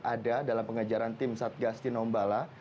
ada dalam pengejaran tim satgastin ombala